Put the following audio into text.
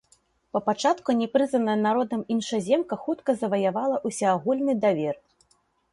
Па пачатку не прызнаная народам іншаземка хутка заваявала ўсеагульны давер.